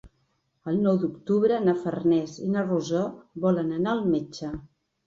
El nou d'octubre na Farners i na Rosó volen anar al metge.